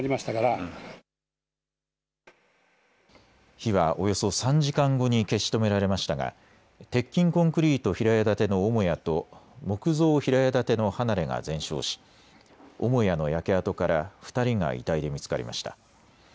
火はおよそ３時間後に消し止められましたが鉄筋コンクリート平屋建ての母屋と木造平屋建ての離れが全焼し母屋の焼け跡から２人が遺体で見つかりました。